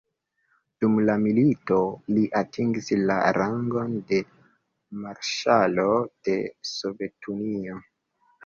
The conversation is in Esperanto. Dum la milito, li atingis la rangon de Marŝalo de Sovetunio.